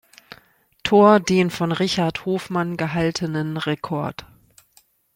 Tor den von Richard Hofmann gehaltenen Rekord.